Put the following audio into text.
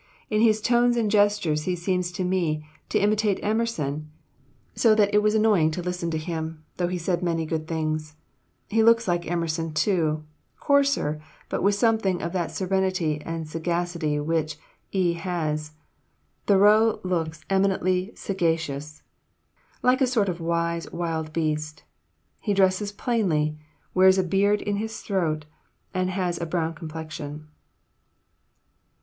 In his tones and gestures he seemed to me to imitate Emerson, so that it was annoying to listen to him, though he said many good things. He looks like Emerson, too, coarser, but with something of that serenity and sagacity which E. has. Thoreau looks eminently sagacious like a sort of wise, wild beast. He dresses plainly, wears a beard in his throat, and has a brown complexion."